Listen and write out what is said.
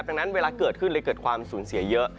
ดังนั้นเวลาเกิดขึ้นเลยเกิดความสูญเสียเยอะ